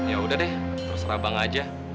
ya udah deh terserah bang aja